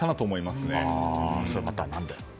それはまた、何で？